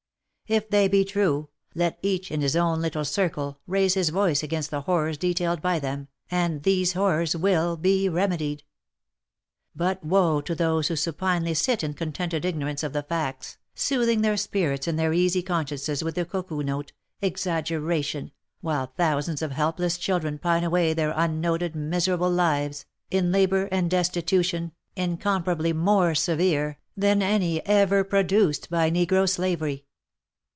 If they be true, let each in his own little circle, raise his voice against the horrors detailed by them, and these horrors will be remedied. But woe to those who supinely sit in contented ignorance of the facts, soothing their spirits and their easy consciences with the cuckoo note, " exaggeration," while thousands of helpless children pine away their unnoted, miserable lives, in labour and destitution, incomparably more severe, than any ever produced by negro slavery.